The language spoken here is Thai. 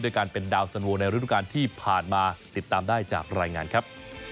การเป็นดาวสันโวในฤดูการที่ผ่านมาติดตามได้จากรายงานครับ